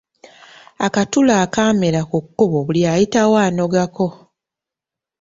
Akatula akaamera ku kkubo buli ayitawo anogako.